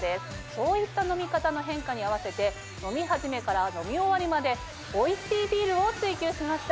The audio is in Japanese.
そういった飲み方の変化に合わせて飲み始めから飲み終わりまでおいしいビールを追求しました。